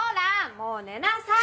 もう寝なさい！